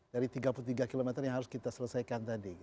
dari tiga puluh tiga km yang harus kita selesaikan tadi